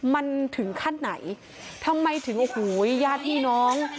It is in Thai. มันถึงขั้นไหนทำไมถึงโอ้โหญาติพี่น้อง